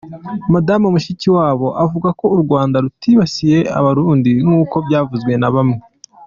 Madame Mushikiwabo avuga ko Urwanda rutibasiye Abarundi nk'uko byavuzwe na bamwe.